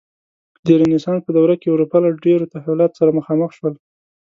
د رنسانس په دوره کې اروپا له ډېرو تحولاتو سره مخامخ شول.